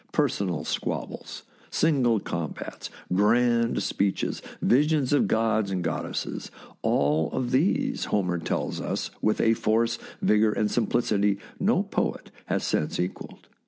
Personal squab bles, single combats, grand speeches, visions of gods and goddesses — of all these Homer tells us with a force, vigour, and simplicity no poet has since equalled.